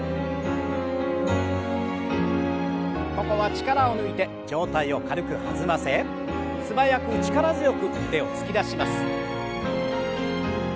ここは力を抜いて上体を軽く弾ませ素早く力強く腕を突き出します。